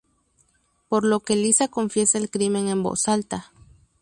Por lo que Lisa confiesa el crimen en voz alta.